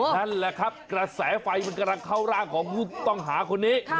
นั่นแหละครับกระแสไฟมันกำลังเข้าร่างของผู้ต้องหาคนนี้